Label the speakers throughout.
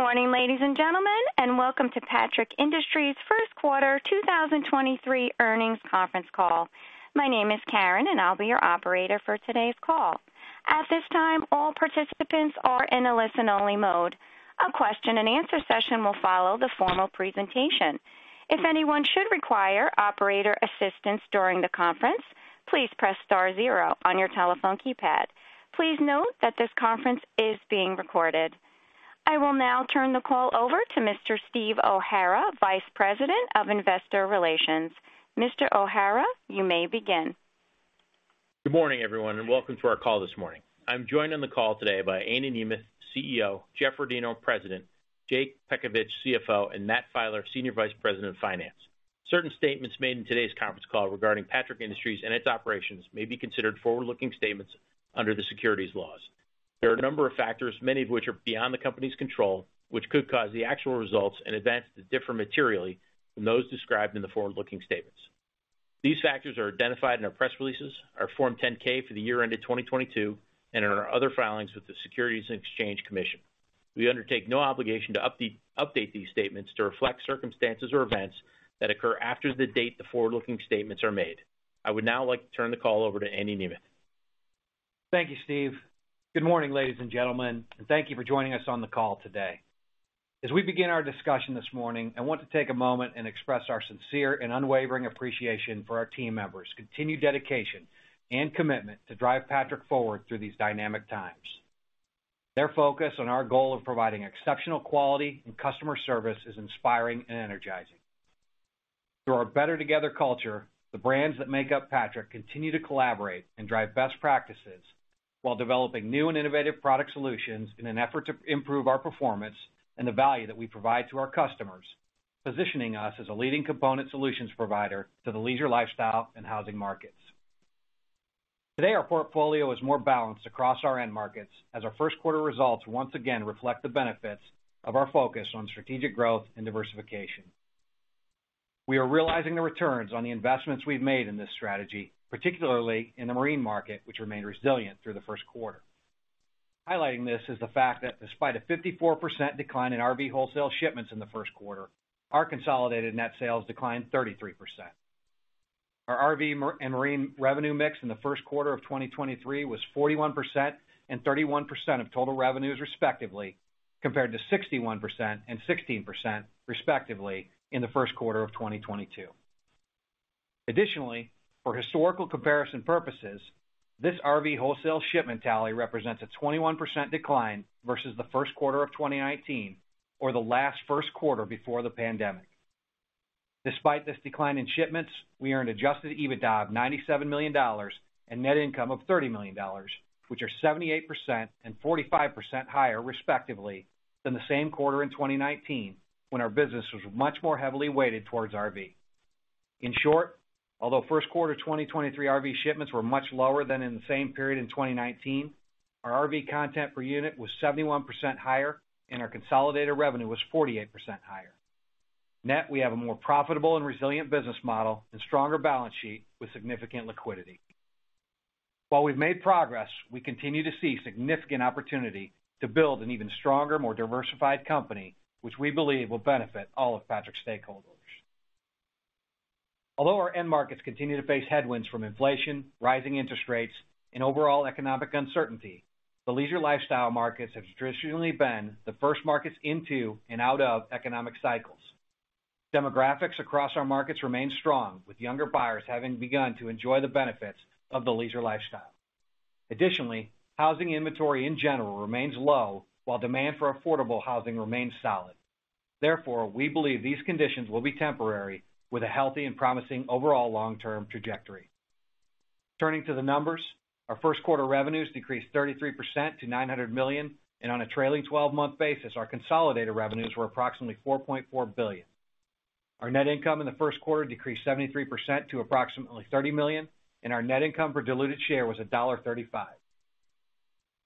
Speaker 1: Good morning, ladies and gentlemen, welcome to Patrick Industries first quarter 2023 earnings conference call. My name is Karen, I'll be your operator for today's call. At this time, all participants are in a listen-only mode. A question-and-answer session will follow the formal presentation. If anyone should require operator assistance during the conference, please press star zero on your telephone keypad. Please note that this conference is being recorded. I will now turn the call over to Mr. Steve O'Hara, Vice President of Investor Relations. Mr. O'Hara, you may begin.
Speaker 2: Good morning, everyone, and welcome to our call this morning. I'm joined on the call today by Andy Nemeth, CEO, Jeff Rodino, President, Jake Petkovich, CFO, and Matt Filer, Senior Vice President of Finance. Certain statements made in today's conference call regarding Patrick Industries and its operations may be considered forward-looking statements under the securities laws. There are a number of factors, many of which are beyond the company's control, which could cause the actual results and events to differ materially from those described in the forward-looking statements. These factors are identified in our press releases, our Form 10-K for the year ended 2022, and in our other filings with the Securities and Exchange Commission. We undertake no obligation to update these statements to reflect circumstances or events that occur after the date the forward-looking statements are made. I would now like to turn the call over to Andy Nemeth.
Speaker 3: Thank you, Steve. Good morning, ladies and gentlemen, and thank you for joining us on the call today. As we begin our discussion this morning, I want to take a moment and express our sincere and unwavering appreciation for our team members' continued dedication and commitment to drive Patrick forward through these dynamic times. Their focus on our goal of providing exceptional quality and customer service is inspiring and energizing. Through our Better Together culture, the brands that make up Patrick continue to collaborate and drive best practices while developing new and innovative product solutions in an effort to improve our performance and the value that we provide to our customers, positioning us as a leading component solutions provider to the leisure lifestyle and housing markets. Today, our portfolio is more balanced across our end markets as our first quarter results once again reflect the benefits of our focus on strategic growth and diversification. We are realizing the returns on the investments we've made in this strategy, particularly in the marine market, which remained resilient through the first quarter. Highlighting this is the fact that despite a 54% decline in RV wholesale shipments in the first quarter, our consolidated net sales declined 33%. Our RV and marine revenue mix in the first quarter of 2023 was 41% and 31% of total revenues, respectively, compared to 61% and 16% respectively in the first quarter of 2022. Additionally, for historical comparison purposes, this RV wholesale shipment tally represents a 21% decline versus the first quarter of 2019 or the last first quarter before the pandemic. Despite this decline in shipments, we earned adjusted EBITDA of $97 million and net income of $30 million, which are 78% and 45% higher respectively than the same quarter in 2019 when our business was much more heavily weighted towards RV. In short, although first quarter 2023 RV shipments were much lower than in the same period in 2019, our RV content per unit was 71% higher and our consolidated revenue was 48% higher. Net, we have a more profitable and resilient business model and stronger balance sheet with significant liquidity. We've made progress, we continue to see significant opportunity to build an even stronger, more diversified company, which we believe will benefit all of Patrick's stakeholders. Although our end markets continue to face headwinds from inflation, rising interest rates, and overall economic uncertainty, the leisure lifestyle markets have traditionally been the first markets into and out of economic cycles. Demographics across our markets remain strong, with younger buyers having begun to enjoy the benefits of the leisure lifestyle. Housing inventory in general remains low while demand for affordable housing remains solid. We believe these conditions will be temporary with a healthy and promising overall long-term trajectory. Turning to the numbers, our first quarter revenues decreased 33% to $900 million, and on a trailing twelve-month basis, our consolidated revenues were approximately $4.4 billion. Our net income in the first quarter decreased 73% to approximately $30 million, and our net income per diluted share was $1.35.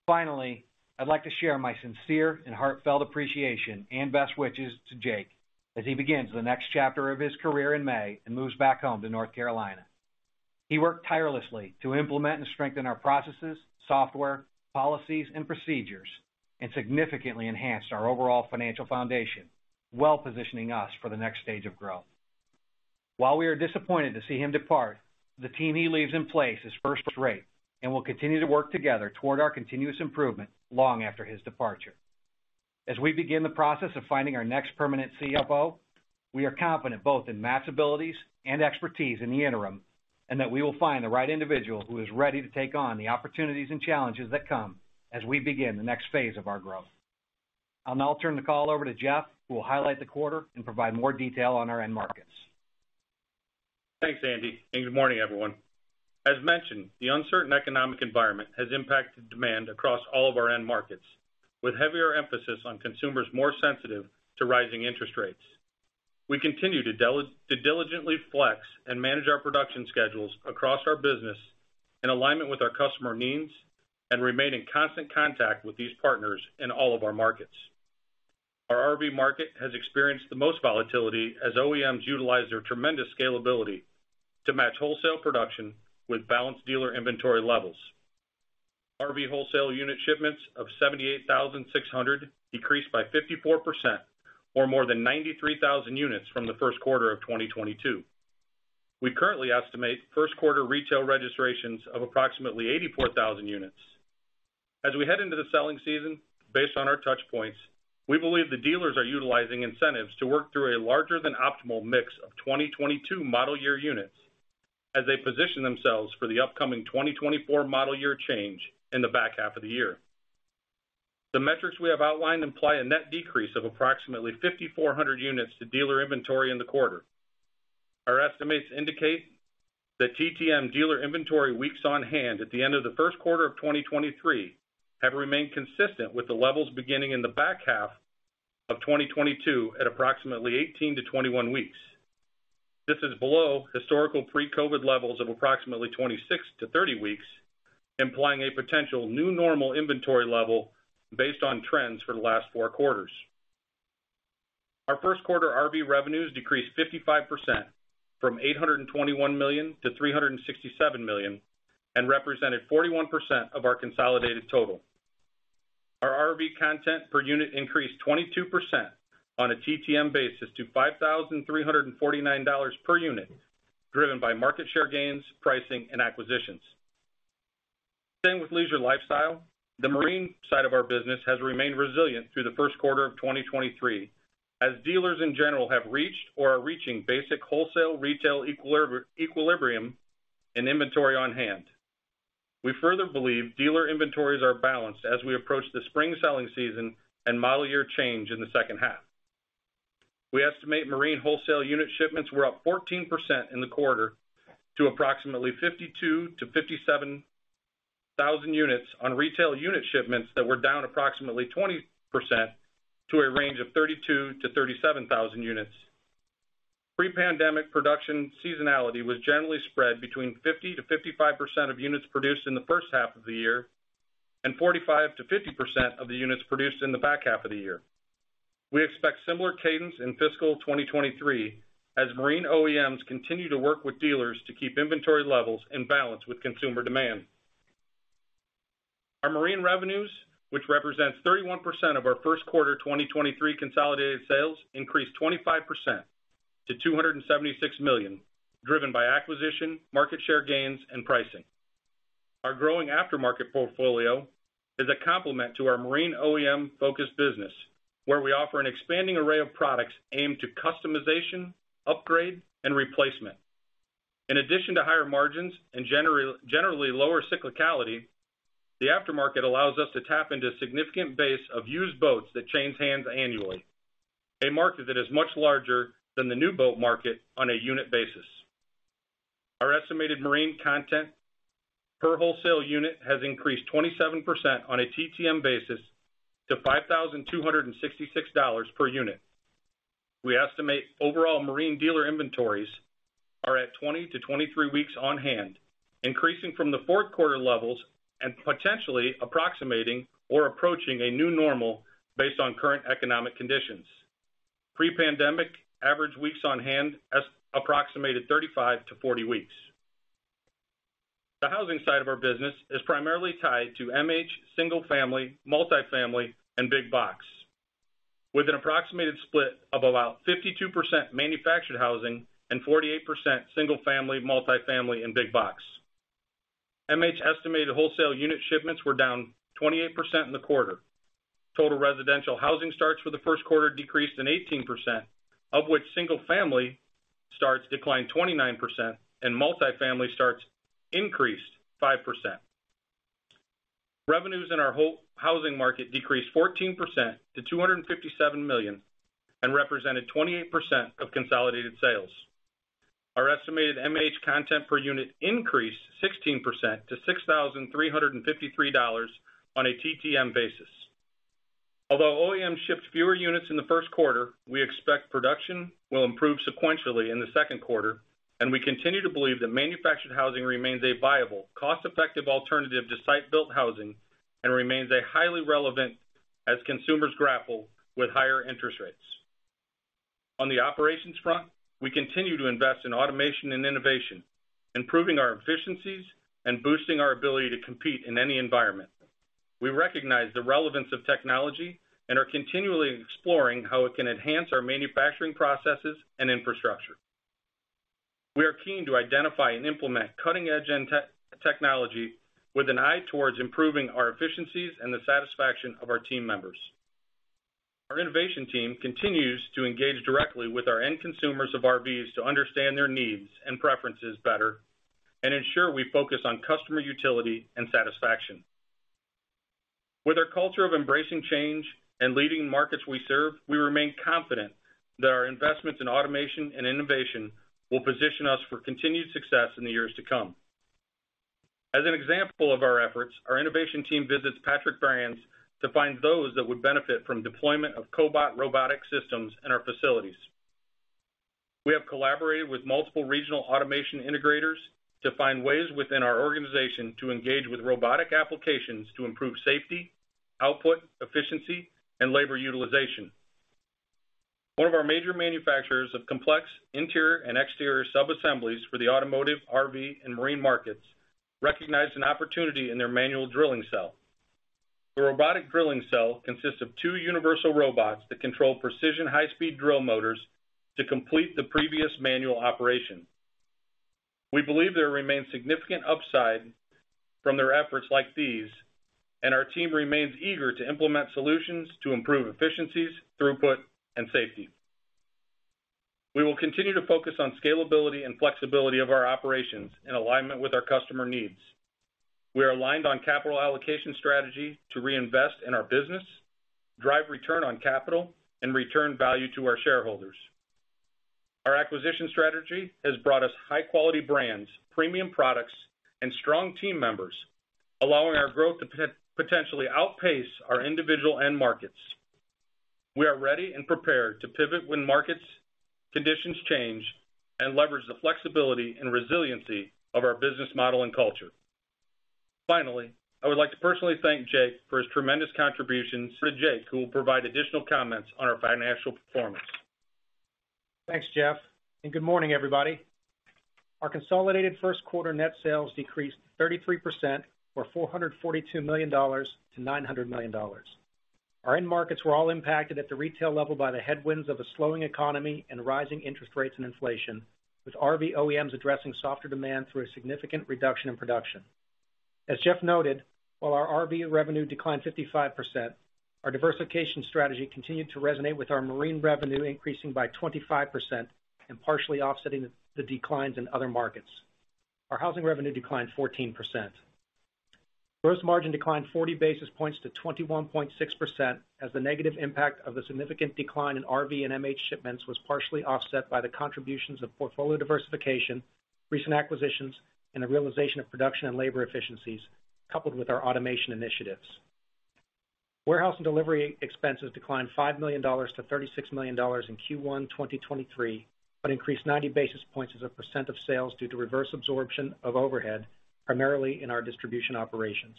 Speaker 3: Finally, I'd like to share my sincere and heartfelt appreciation and best wishes to Jake as he begins the next chapter of his career in May and moves back home to North Carolina. He worked tirelessly to implement and strengthen our processes, software, policies, and procedures and significantly enhanced our overall financial foundation, well positioning us for the next stage of growth. While we are disappointed to see him depart, the team he leaves in place is first-rate and will continue to work together toward our continuous improvement long after his departure. As we begin the process of finding our next permanent CFO, we are confident both in Matt's abilities and expertise in the interim and that we will find the right individual who is ready to take on the opportunities and challenges that come as we begin the next phase of our growth. I'll now turn the call over to Jeff, who will highlight the quarter and provide more detail on our end markets.
Speaker 1: Thanks, Andy. Good morning, everyone. As mentioned, the uncertain economic environment has impacted demand across all of our end markets with heavier emphasis on consumers more sensitive to rising interest rates. We continue to diligently flex and manage our production schedules across our business in alignment with our customer needs and remain in constant contact with these partners in all of our markets. Our RV market has experienced the most volatility as OEMs utilize their tremendous scalability to match wholesale production with balanced dealer inventory levels.
Speaker 4: RV wholesale unit shipments of 78,600 decreased by 54% or more than 93,000 units from the first quarter of 2022. We currently estimate first quarter retail registrations of approximately 84,000 units. As we head into the selling season, based on our touch points, we believe the dealers are utilizing incentives to work through a larger than optimal mix of 2022 model year units as they position themselves for the upcoming 2024 model year change in the back half of the year. The metrics we have outlined imply a net decrease of approximately 5,400 units to dealer inventory in the quarter. Our estimates indicate that TTM dealer inventory weeks on hand at the end of the first quarter of 2023 have remained consistent with the levels beginning in the back half of 2022 at approximately 18-21 weeks. This is below historical pre-COVID levels of approximately 26-30 weeks, implying a potential new normal inventory level based on trends for the last 4 quarters. Our first quarter RV revenues decreased 55% from $821 million to $367 million, and represented 41% of our consolidated total. Our RV content per unit increased 22% on a TTM basis to $5,349 per unit, driven by market share gains, pricing and acquisitions. Staying with leisure lifestyle, the marine side of our business has remained resilient through the first quarter of 2023, as dealers in general have reached or are reaching basic wholesale retail equilibrium in inventory on hand. We further believe dealer inventories are balanced as we approach the spring selling season and model year change in the second half. We estimate marine wholesale unit shipments were up 14% in the quarter to approximately 52,000-57,000 units on retail unit shipments that were down approximately 20% to a range of 32,000-37,000 units. Pre-pandemic production seasonality was generally spread between 50%-55% of units produced in the first half of the year, and 45%-50% of the units produced in the back half of the year. We expect similar cadence in fiscal 2023 as marine OEMs continue to work with dealers to keep inventory levels in balance with consumer demand. Our marine revenues, which represents 31% of our first quarter 2023 consolidated sales, increased 25% to $276 million, driven by acquisition, market share gains and pricing. Our growing aftermarket portfolio is a complement to our marine OEM-focused business, where we offer an expanding array of products aimed to customization, upgrade, and replacement. In addition to higher margins and generally lower cyclicality, the aftermarket allows us to tap into a significant base of used boats that change hands annually, a market that is much larger than the new boat market on a unit basis. Our estimated marine content per wholesale unit has increased 27% on a TTM basis to $5,266 per unit. We estimate overall marine dealer inventories are at 20-23 weeks on hand, increasing from the fourth quarter levels and potentially approximating or approaching a new normal based on current economic conditions. Pre-pandemic, average weeks on hand approximated 35-40 weeks. The housing side of our business is primarily tied to MH, single family, multifamily and big box, with an approximated split of about 52% manufactured housing and 48% single family, multifamily and big box. MH estimated wholesale unit shipments were down 28% in the quarter. Total residential housing starts for the first quarter decreased in 18%, of which single family starts declined 29% and multifamily starts increased 5%. Revenues in our whole housing market decreased 14% to $257 million and represented 28% of consolidated sales. Our estimated MH content per unit increased 16% to $6,353 on a TTM basis. Although OEMs shipped fewer units in the first quarter, we expect production will improve sequentially in the second quarter. We continue to believe that manufactured housing remains a viable, cost-effective alternative to site-built housing and remains a highly relevant as consumers grapple with higher interest rates. On the operations front, we continue to invest in automation and innovation, improving our efficiencies and boosting our ability to compete in any environment. We recognize the relevance of technology and are continually exploring how it can enhance our manufacturing processes and infrastructure. We are keen to identify and implement cutting-edge technology with an eye towards improving our efficiencies and the satisfaction of our team members. Our innovation team continues to engage directly with our end consumers of RVs to understand their needs and preferences better and ensure we focus on customer utility and satisfaction. With our culture of embracing change and leading markets we serve, we remain confident that our investments in automation and innovation will position us for continued success in the years to come. As an example of our efforts, our innovation team visits Patrick brands to find those that would benefit from deployment of Cobot robotic systems in our facilities. We have collaborated with multiple regional automation integrators to find ways within our organization to engage with robotic applications to improve safety, output, efficiency, and labor utilization. One of our major manufacturers of complex interior and exterior subassemblies for the automotive, RV, and marine markets recognized an opportunity in their manual drilling cell. The robotic drilling cell consists of 2 Universal Robots that control precision high-speed drill motors to complete the previous manual operation. We believe there remains significant upside from their efforts like these, and our team remains eager to implement solutions to improve efficiencies, throughput, and safety. We will continue to focus on scalability and flexibility of our operations in alignment with our customer needs. We are aligned on capital allocation strategy to reinvest in our business, drive return on capital, and return value to our shareholders. Our acquisition strategy has brought us high-quality brands, premium products, and strong team members, allowing our growth to potentially outpace our individual end markets. We are ready and prepared to pivot when market conditions change and leverage the flexibility and resiliency of our business model and culture. Finally, I would like to personally thank Jake for his tremendous contributions to Jake, who will provide additional comments on our financial performance.
Speaker 5: Thanks, Jeff, and good morning, everybody. Our consolidated first quarter net sales decreased 33% or $442 million to $900 million. Our end markets were all impacted at the retail level by the headwinds of a slowing economy and rising interest rates and inflation, with RV OEMs addressing softer demand through a significant reduction in production. As Jeff noted, while our RV revenue declined 55%, our diversification strategy continued to resonate with our marine revenue increasing by 25% and partially offsetting the declines in other markets. Our housing revenue declined 14%. Gross margin declined 40 basis points to 21.6% as the negative impact of the significant decline in RV and MH shipments was partially offset by the contributions of portfolio diversification, recent acquisitions, and the realization of production and labor efficiencies, coupled with our automation initiatives. Warehouse and delivery expenses declined $5 million to $36 million in Q1 2023, but increased 90 basis points as a % of sales due to reverse absorption of overhead, primarily in our distribution operations.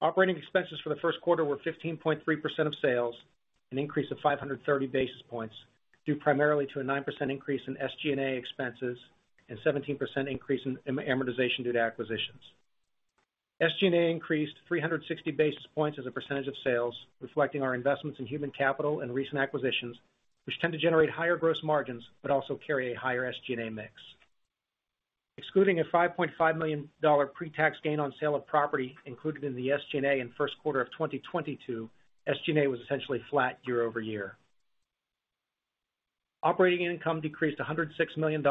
Speaker 5: Operating expenses for the first quarter were 15.3% of sales, an increase of 530 basis points due primarily to a 9% increase in SG&A expenses and 17% increase in amortization due to acquisitions. SG&A increased 360 basis points as a % of sales, reflecting our investments in human capital and recent acquisitions, which tend to generate higher gross margins but also carry a higher SG&A mix. Excluding a $5.5 million pre-tax gain on sale of property included in the SG&A in first quarter of 2022, SG&A was essentially flat year-over-year. Operating income decreased $106 million,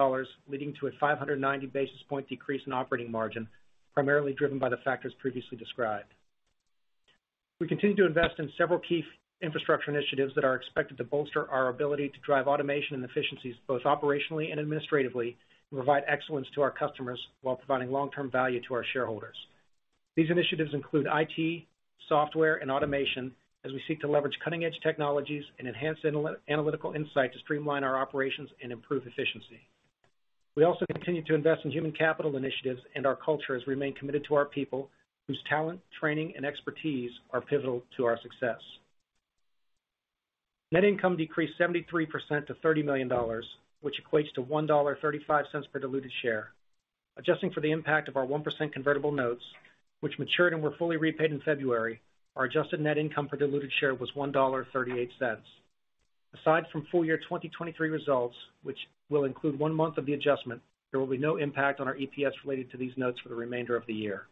Speaker 5: leading to a 590 basis point decrease in operating margin, primarily driven by the factors previously described. We continue to invest in several key infrastructure initiatives that are expected to bolster our ability to drive automation and efficiencies, both operationally and administratively, and provide excellence to our customers while providing long-term value to our shareholders. These initiatives include IT, software, and automation as we seek to leverage cutting-edge technologies and enhance analytical insight to streamline our operations and improve efficiency. We also continue to invest in human capital initiatives and our culture as we remain committed to our people whose talent, training, and expertise are pivotal to our success. Net income decreased 73% to $30 million, which equates to $1.35 per diluted share. Adjusting for the impact of our 1% convertible notes, which matured and were fully repaid in February, our adjusted net income per diluted share was $1.38. Aside from full-year 2023 results, which will include one month of the adjustment, there will be no impact on our EPS related to these notes for the remainder of the year.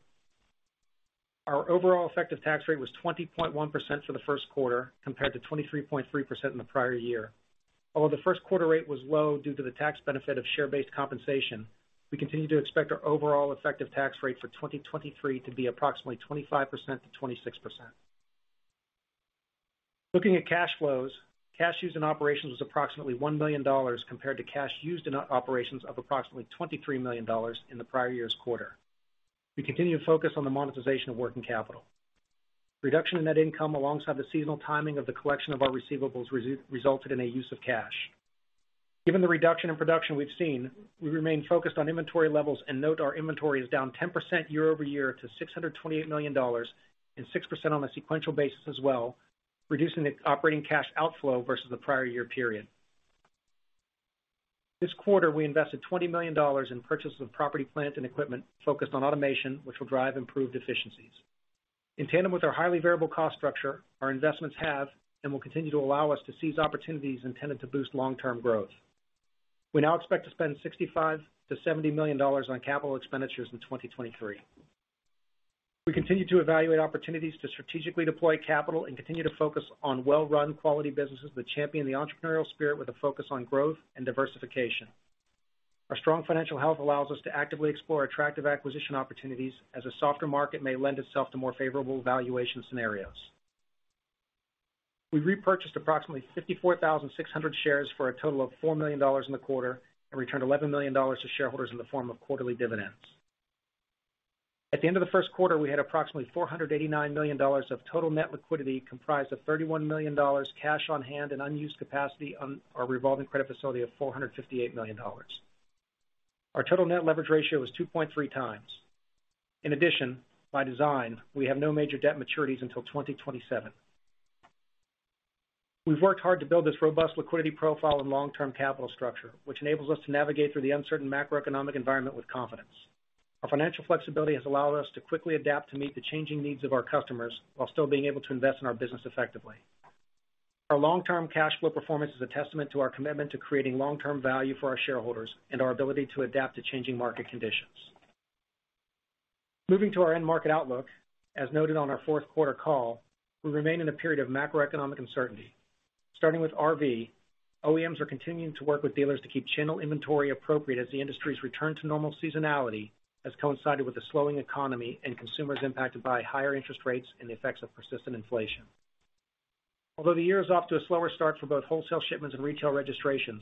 Speaker 5: Our overall effective tax rate was 20.1% for the first quarter compared to 23.3% in the prior year. Although the first quarter rate was low due to the tax benefit of share-based compensation, we continue to expect our overall effective tax rate for 2023 to be approximately 25%-26%. Looking at cash flows, cash used in operations was approximately $1 million compared to cash used in operations of approximately $23 million in the prior year's quarter. We continue to focus on the monetization of working capital. Reduction in net income alongside the seasonal timing of the collection of our receivables resulted in a use of cash. Given the reduction in production we've seen, we remain focused on inventory levels and note our inventory is down 10% year-over-year to $628 million and 6% on a sequential basis as well, reducing the operating cash outflow versus the prior year period. This quarter, we invested $20 million in purchase of property, plant, and equipment focused on automation, which will drive improved efficiencies. In tandem with our highly variable cost structure, our investments have and will continue to allow us to seize opportunities intended to boost long-term growth. We now expect to spend $65 million-$70 million on CapEx in 2023. We continue to evaluate opportunities to strategically deploy capital and continue to focus on well-run quality businesses that champion the entrepreneurial spirit with a focus on growth and diversification. Our strong financial health allows us to actively explore attractive acquisition opportunities as a softer market may lend itself to more favorable valuation scenarios. We repurchased approximately 54,600 shares for a total of $4 million in the quarter and returned $11 million to shareholders in the form of quarterly dividends. At the end of the first quarter, we had approximately $489 million of total net liquidity comprised of $31 million cash on hand and unused capacity on our revolving credit facility of $458 million. Our total net leverage ratio is 2.3x. By design, we have no major debt maturities until 2027. We've worked hard to build this robust liquidity profile and long-term capital structure, which enables us to navigate through the uncertain macroeconomic environment with confidence. Our financial flexibility has allowed us to quickly adapt to meet the changing needs of our customers while still being able to invest in our business effectively. Our long-term cash flow performance is a testament to our commitment to creating long-term value for our shareholders and our ability to adapt to changing market conditions. Moving to our end market outlook, as noted on our fourth quarter call, we remain in a period of macroeconomic uncertainty. Starting with RV, OEMs are continuing to work with dealers to keep channel inventory appropriate as the industry's return to normal seasonality has coincided with the slowing economy and consumers impacted by higher interest rates and the effects of persistent inflation. The year is off to a slower start for both wholesale shipments and retail registrations,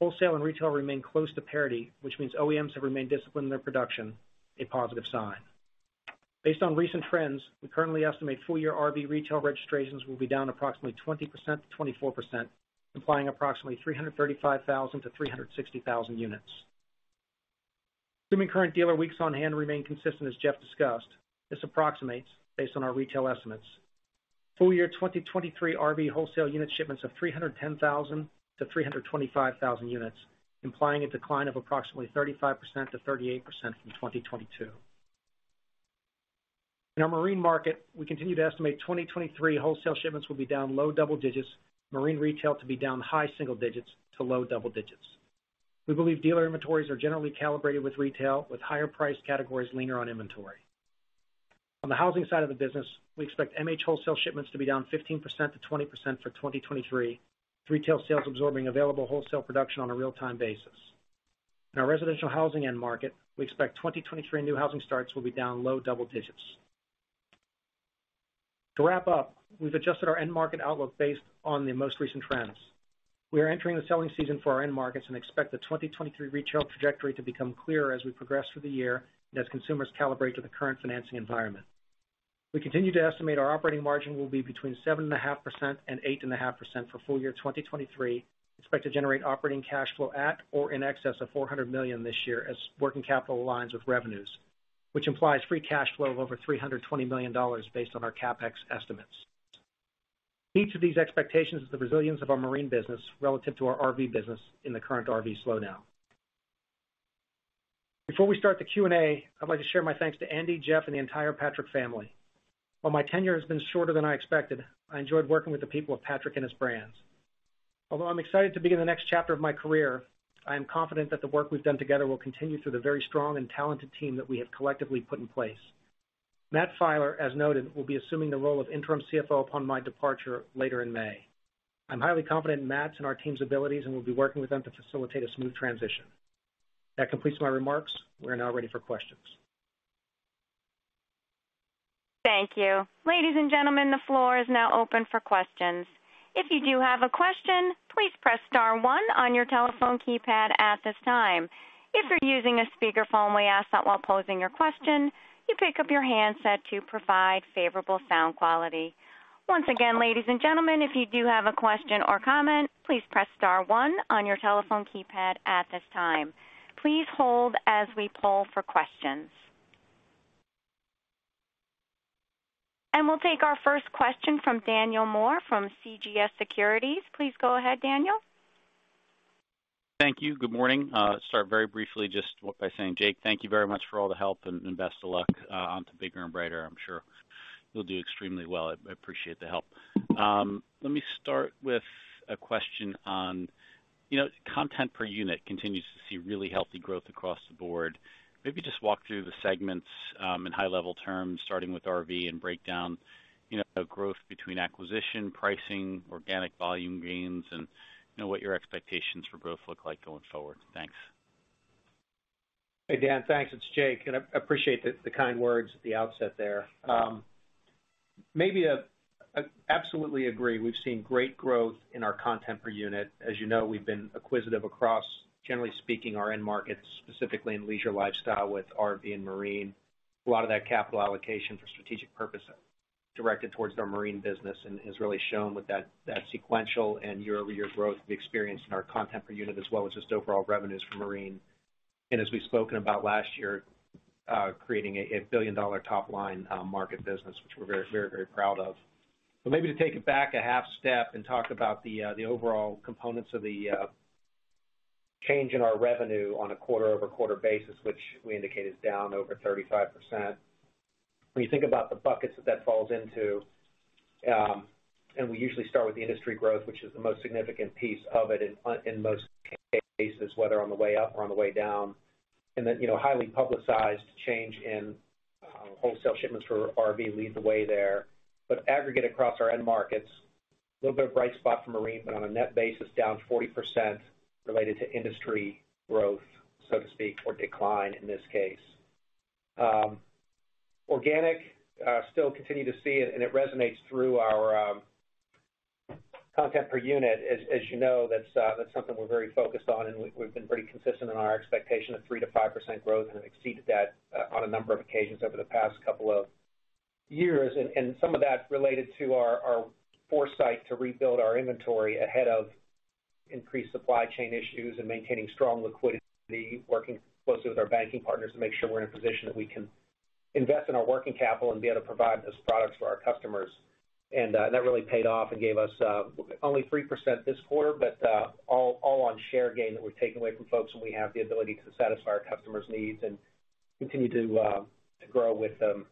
Speaker 5: wholesale and retail remain close to parity, which means OEMs have remained disciplined in their production, a positive sign. Based on recent trends, we currently estimate full year RV retail registrations will be down approximately 20%-24%, implying approximately 335,000-360,000 units. Assuming current dealer weeks on hand remain consistent as Jeff discussed, this approximates based on our retail estimates. Full year 2023 RV wholesale unit shipments of 310,000-325,000 units, implying a decline of approximately 35%-38% from 2022. In our Marine market, we continue to estimate 2023 wholesale shipments will be down low double digits, Marine retail to be down high single digits to low double digits. We believe dealer inventories are generally calibrated with retail, with higher price categories leaner on inventory. On the housing side of the business, we expect MH wholesale shipments to be down 15%-20% for 2023, retail sales absorbing available wholesale production on a real-time basis. In our residential housing end market, we expect 2023 new housing starts will be down low double digits. To wrap up, we've adjusted our end market outlook based on the most recent trends. We are entering the selling season for our end markets and expect the 2023 retail trajectory to become clearer as we progress through the year and as consumers calibrate to the current financing environment. We continue to estimate our operating margin will be between 7.5% and 8.5% for full year 2023. Expect to generate operating cash flow at or in excess of $400 million this year as working capital aligns with revenues, which implies free cash flow of over $320 million based on our CapEx estimates. Each of these expectations is the resilience of our Marine business relative to our RV business in the current RV slowdown. Before we start the Q&A, I'd like to share my thanks to Andy, Jeff, and the entire Patrick family. While my tenure has been shorter than I expected, I enjoyed working with the people of Patrick and his brands. Although I'm excited to begin the next chapter of my career, I am confident that the work we've done together will continue through the very strong and talented team that we have collectively put in place. Matt Filer, as noted, will be assuming the role of interim CFO upon my departure later in May. I'm highly confident in Matt's and our team's abilities, and we'll be working with them to facilitate a smooth transition. That completes my remarks. We are now ready for questions.
Speaker 1: Thank you. Ladies and gentlemen, the floor is now open for questions. If you do have a question, please press star one on your telephone keypad at this time. If you're using a speakerphone, we ask that while posing your question, you pick up your handset to provide favorable sound quality. Once again, ladies and gentlemen, if you do have a question or comment, please press star one on your telephone keypad at this time. Please hold as we poll for questions. We'll take our first question from Daniel Moore from CJS Securities. Please go ahead, Daniel.
Speaker 6: Thank you. Good morning. start very briefly just by saying, Jake, thank you very much for all the help and best of luck onto bigger and brighter. I'm sure you'll do extremely well. I appreciate the help. Let me start with a question on, you know, content per unit continues to see really healthy growth across the board. Maybe just walk through the segments, in high-level terms, starting with RV, and break down, you know, the growth between acquisition, pricing, organic volume gains, and, you know, what your expectations for growth look like going forward. Thanks.
Speaker 5: Hey, Daniel Moore. Thanks. It's Jake Petkovich. I appreciate the kind words at the outset there. Absolutely agree, we've seen great growth in our content per unit. As you know, we've been acquisitive across, generally speaking, our end markets, specifically in leisure lifestyle with RV and Marine. A lot of that capital allocation for strategic purposes directed towards our Marine business and has really shown with that sequential and year-over-year growth we experienced in our content per unit as well as just overall revenues for Marine. As we've spoken about last year, creating a billion-dollar top line market business, which we're very proud of. Maybe to take it back a half step and talk about the overall components of the change in our revenue on a quarter-over-quarter basis, which we indicated is down over 35%. When you think about the buckets that that falls into, we usually start with the industry growth, which is the most significant piece of it in most cases, whether on the way up or on the way down. You know, highly publicized change in wholesale shipments for RV lead the way there. Aggregate across our end markets, a little bit of bright spot for Marine, but on a net basis, down 40% related to industry growth, so to speak, or decline in this case. Organic, still continue to see it, and it resonates through our content per unit. As you know, that's something we're very focused on, and we've been pretty consistent in our expectation of 3% to 5% growth and have exceeded that on a number of occasions over the past couple of years, and some of that related to our foresight to rebuild our inventory ahead of increased supply chain issues and maintaining strong liquidity, working closely with our banking partners to make sure we're in a position that we can invest in our working capital and be able to provide those products for our customers. That really paid off and gave us only 3% this quarter, but all on share gain that we've taken away from folks when we have the ability to satisfy our customers' needs and continue to grow with them,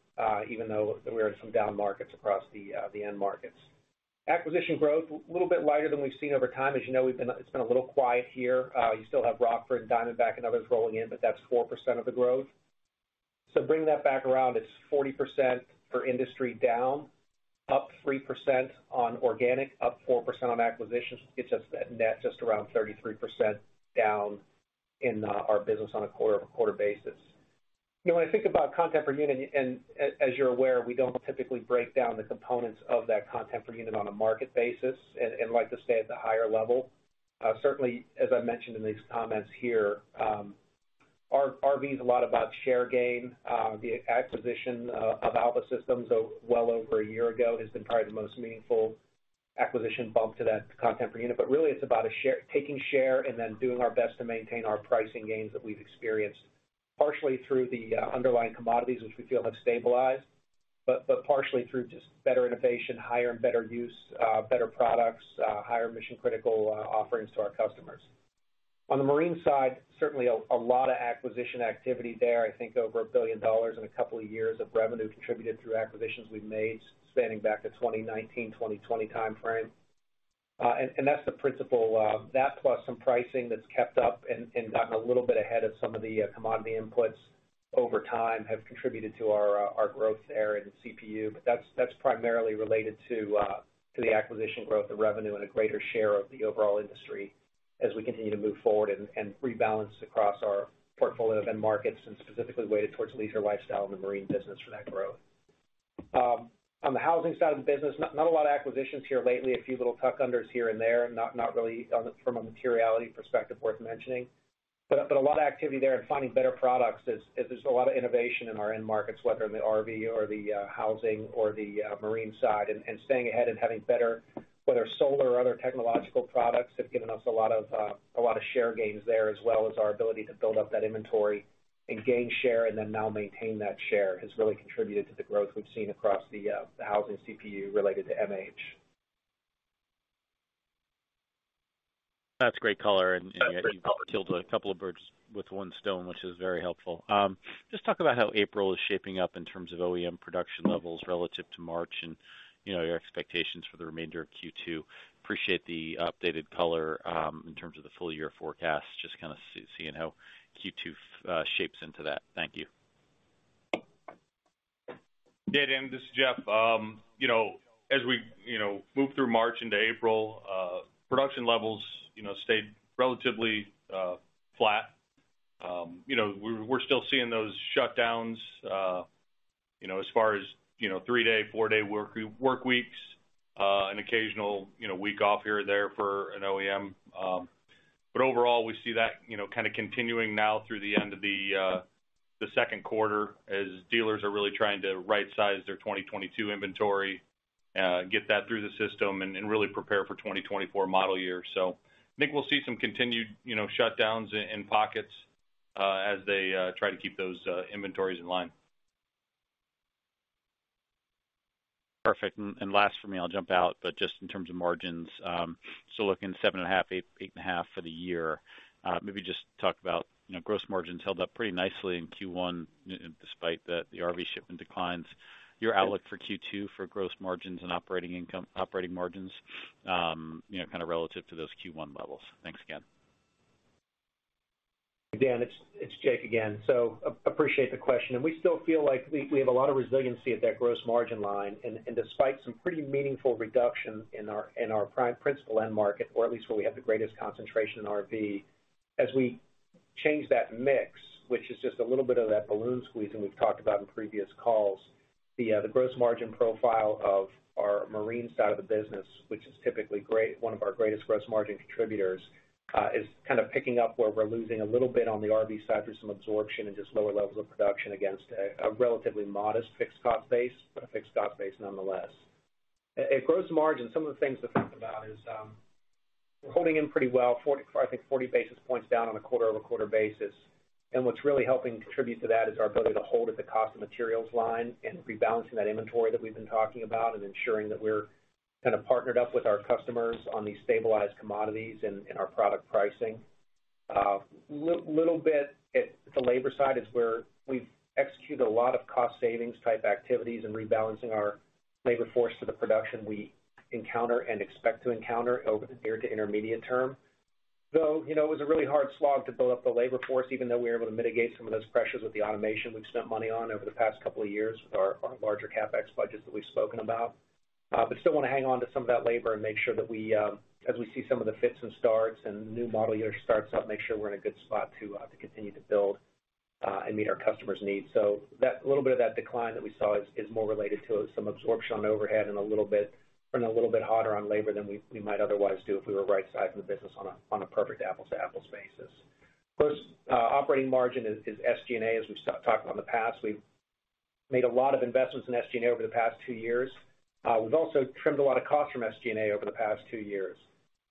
Speaker 5: even though we are in some down markets across the end markets. Acquisition growth, a little bit lighter than we've seen over time. As you know, it's been a little quiet here. You still have Rockford and Diamondback and others rolling in, but that's 4% of the growth. Bringing that back around, it's 40% for industry down, up 3% on organic, up 4% on acquisitions, gets us that net just around 33% down in our business on a quarter-over-quarter basis. You know, when I think about content per unit, and as you're aware, we don't typically break down the components of that content per unit on a market basis and like to stay at the higher level. Certainly, as I mentioned in these comments here, RV's a lot about share gain. The acquisition of Alpha Systems well over a year ago has been probably the most meaningful acquisition bump to that content per unit. Really it's about taking share and then doing our best to maintain our pricing gains that we've experienced partially through the underlying commodities, which we feel have stabilized, but partially through just better innovation, higher and better use, better products, higher mission-critical offerings to our customers. On the marine side, certainly a lot of acquisition activity there. I think over $1 billion in a couple of years of revenue contributed through acquisitions we've made spanning back to 2019, 2020 timeframe. That's the principle. That plus some pricing that's kept up and gotten a little bit ahead of some of the commodity inputs over time have contributed to our growth there in CPU. That's primarily related to the acquisition growth, the revenue, and a greater share of the overall industry as we continue to move forward and rebalance across our portfolio of end markets and specifically weighted towards leisure lifestyle and the marine business for that growth. On the housing side of the business, not a lot of acquisitions here lately. A few little tuck-unders here and there, not really from a materiality perspective worth mentioning. A lot of activity there in finding better products as there's a lot of innovation in our end markets, whether in the RV or the housing or the marine side. Staying ahead and having better, whether solar or other technological products have given us a lot of share gains there, as well as our ability to build up that inventory and gain share and then now maintain that share has really contributed to the growth we've seen across the housing CPU related to MH.
Speaker 6: That's great color, and yet you've killed a couple of birds with one stone, which is very helpful. Just talk about how April is shaping up in terms of OEM production levels relative to March and, you know, your expectations for the remainder of Q2. Appreciate the updated color, in terms of the full year forecast, just kinda seeing how Q2 shapes into that. Thank you.
Speaker 4: Yeah, Dan, this is Jeff. As we move through March into April, production levels stayed relatively flat. We're still seeing those shutdowns, as far as 3-day, 4-day work weeks, an occasional week off here or there for an OEM. But overall, we see that kinda continuing now through the end of the second quarter as dealers are really trying to right-size their 2022 inventory, get that through the system and really prepare for 2024 model year. I think we'll see some continued shutdowns in pockets, as they try to keep those inventories in line.
Speaker 6: Perfect. Last for me, I'll jump out. Just in terms of margins, looking 7.5%, 8%, 8.5% for the year, maybe just talk about, you know, gross margins held up pretty nicely in Q1 despite the RV shipment declines. Your outlook for Q2 for gross margins and operating income, operating margins, you know, kind of relative to those Q1 levels. Thanks again.
Speaker 5: Dan, it's Jake again. appreciate the question. We still feel like we have a lot of resiliency at that gross margin line. Despite some pretty meaningful reduction in our principal end market, or at least where we have the greatest concentration in RV, as we change that mix, which is just a little bit of that balloon squeezing we've talked about in previous calls, the gross margin profile of our marine side of the business, which is typically great, one of our greatest gross margin contributors, is kind of picking up where we're losing a little bit on the RV side through some absorption and just lower levels of production against a relatively modest fixed cost base, but a fixed cost base nonetheless. At gross margin, some of the things to think about is, we're holding in pretty well, I think 40 basis points down on a quarter-over-quarter basis. What's really helping contribute to that is our ability to hold at the cost of materials line and rebalancing that inventory that we've been talking about and ensuring that we're kind of partnered up with our customers on these stabilized commodities and our product pricing. little bit at the labor side is where we've executed a lot of cost savings type activities and rebalancing our labor force to the production we encounter and expect to encounter over the near to intermediate term. You know, it was a really hard slog to build up the labor force, even though we were able to mitigate some of those pressures with the automation we've spent money on over the past couple of years with our larger CapEx budgets that we've spoken about. Still wanna hang on to some of that labor and make sure that we, as we see some of the fits and starts and new model year starts up, make sure we're in a good spot to continue to build and meet our customers' needs. That little bit of that decline that we saw is more related to some absorption on overhead and a little bit, burning a little bit harder on labor than we might otherwise do if we were right-sizing the business on a perfect apples-to-apples basis. First, operating margin is SG&A. As we've talked about in the past, we've made a lot of investments in SG&A over the past two years. We've also trimmed a lot of cost from SG&A over the past two years,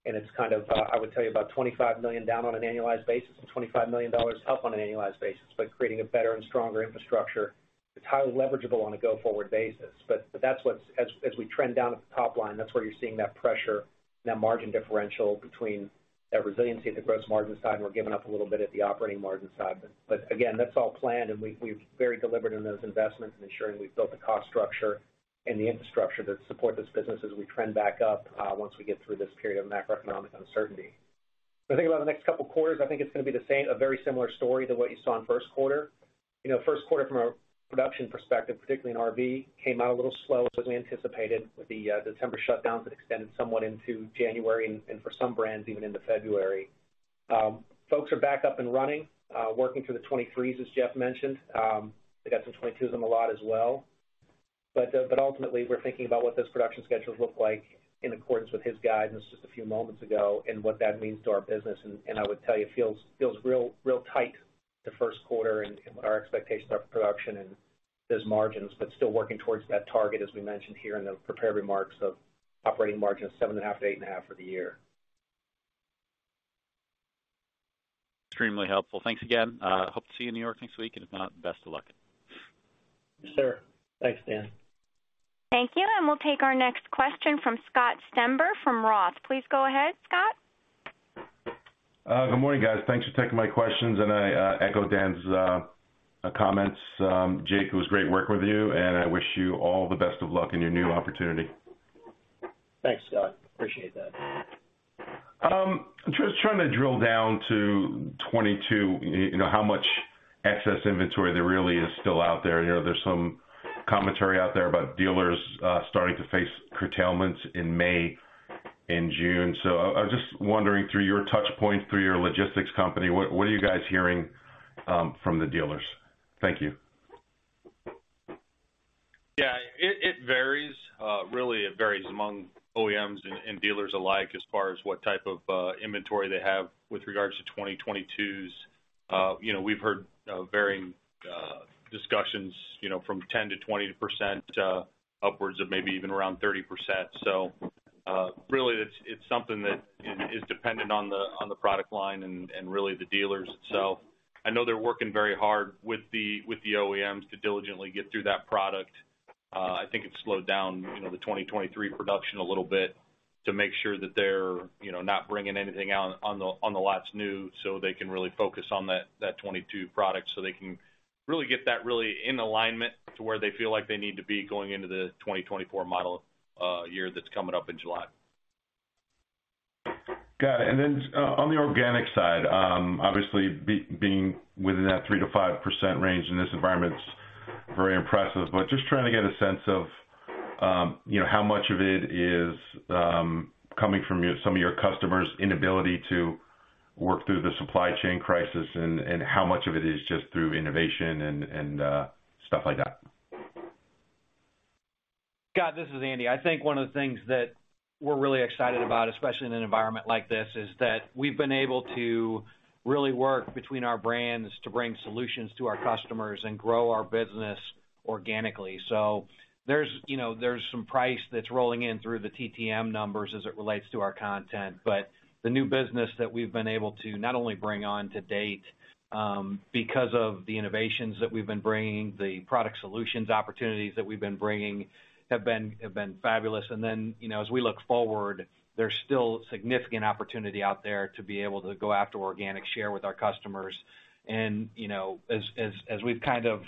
Speaker 5: and it's kind of, I would tell you about $25 million down on an annualized basis and $25 million up on an annualized basis. Creating a better and stronger infrastructure that's highly leverageable on a go-forward basis. That's what's, as we trend down at the top line, that's where you're seeing that pressure and that margin differential between that resiliency at the gross margin side, and we're giving up a little bit at the operating margin side. Again, that's all planned, and we've very deliberate in those investments in ensuring we've built the cost structure and the infrastructure to support this business as we trend back up, once we get through this period of macroeconomic uncertainty. If you think about the next couple of quarters, I think it's gonna be the same, a very similar story to what you saw in first quarter. You know, first quarter from a production perspective, particularly in RV, came out a little slow as we anticipated with the, December shutdowns that extended somewhat into January and for some brands, even into February. Folks are back up and running, working through the 2023s, as Jeff mentioned. They got some 2022s in the lot as well. Ultimately we're thinking about what those production schedules look like in accordance with his guidance just a few moments ago and what that means to our business. I would tell you, it feels real tight the first quarter and what our expectations are for production and those margins. Still working towards that target, as we mentioned here in the prepared remarks of operating margin of seven and a half to eight and a half for the year.
Speaker 7: Extremely helpful. Thanks again. Hope to see you in New York next week. If not, best of luck.
Speaker 5: Yes, sir. Thanks, Dan.
Speaker 1: Thank you. We'll take our next question from Scott Stember from Roth. Please go ahead, Scott.
Speaker 8: Good morning, guys. Thanks for taking my questions. I echo Dan's comments. Jake, it was great working with you, and I wish you all the best of luck in your new opportunity.
Speaker 5: Thanks, Scott. Appreciate that.
Speaker 8: Just trying to drill down to 2022, you know, how much excess inventory there really is still out there. You know, there's some commentary out there about dealers, starting to face curtailments in May and June. I was just wondering through your touchpoint, through your logistics company, what are you guys hearing, from the dealers? Thank you.
Speaker 5: Yeah, it varies. Really it varies among OEMs and dealers alike as far as what type of inventory they have with regards to 2022s. You know, we've heard varying discussions, you know, from 10%-20%, upwards of maybe even around 30%. Really it's something that is dependent on the product line and really the dealers itself. I know they're working very hard with the OEMs to diligently get through that product. I think it's slowed down, you know, the 2023 production a little bit to make sure that they're, you know, not bringing anything out on the, on the lots new, so they can really focus on that 2022 product, so they can really get that really in alignment to where they feel like they need to be going into the 2024 model year that's coming up in July.
Speaker 8: Got it. Then on the organic side, obviously being within that 3%-5% range in this environment's very impressive. Just trying to get a sense of, you know, how much of it is coming from your, some of your customers' inability to work through the supply chain crisis and how much of it is just through innovation and stuff like that.
Speaker 3: Scott, this is Andy. I think one of the things that we're really excited about, especially in an environment like this, is that we've been able to really work between our brands to bring solutions to our customers and grow our business organically. There's, you know, there's some price that's rolling in through the TTM numbers as it relates to our content. The new business that we've been able to not only bring on to date, because of the innovations that we've been bringing, the product solutions opportunities that we've been bringing have been fabulous. You know, as we look forward, there's still significant opportunity out there to be able to go after organic share with our customers. You know, as we've kind of,